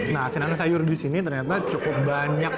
nah senangan sayur di sini ternyata cukup banyak